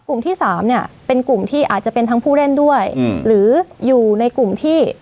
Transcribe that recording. กลุ่มที่สามเนี่ยเป็นกลุ่มที่อาจจะเป็นทั้งผู้เล่นด้วยอืมหรืออยู่ในกลุ่มที่